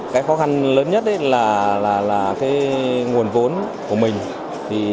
cái khó khăn lớn nhất là nguồn vốn của mình